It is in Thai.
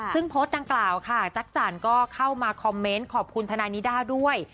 ซึ่งโพสต์ดังกล่าวค่ะจักรจันทร์ก็เข้ามาคอมเมนต์ขอบคุณทนายนิด้าด้วย